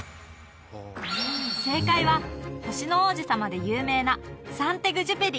正解は「星の王子さま」で有名なサン＝テグジュペリ